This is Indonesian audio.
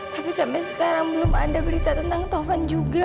tapi sampai sekarang belum ada berita tentang tovan juga